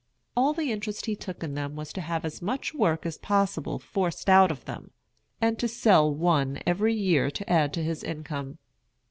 All the interest he took in them was to have as much work as possible forced out of them, and to sell one every year to add to his income.